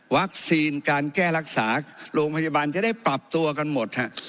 การแก้รักษาโรงพยาบาลจะได้ปรับตัวกันหมดฮะ